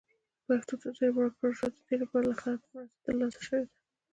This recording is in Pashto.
پښتو ته ځای ورکړل شو، د دې لپاره له خلکو مرسته ترلاسه شوې ده.